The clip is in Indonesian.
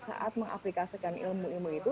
saat mengaplikasikan ilmu ilmu itu